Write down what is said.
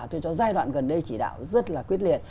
tôi cho giai đoạn gần đây chỉ đạo rất là quyết liệt